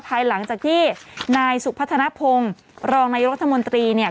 ภายหลังจากที่นายสุพัฒนภงรองนายรัฐมนตรีเนี่ย